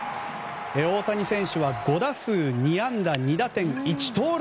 大谷選手は５打数２安打２打点１盗塁。